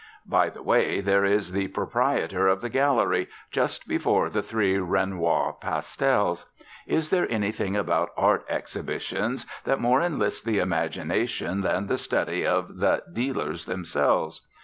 By the way, there is the proprietor of the gallery, just before the three Renoir pastels. Is there anything about art exhibitions that more enlists the imagination than the study of the "dealers" themselves?